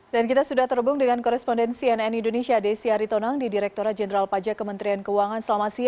dan kita sudah terhubung dengan korespondensi nn indonesia desi aritonang di direkturat jenderal pajak kementerian keuangan